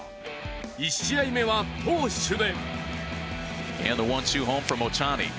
１試合目は投手で。